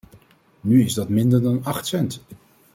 Nu is dat minder dan acht cent.